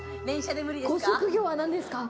ご職業は何ですか？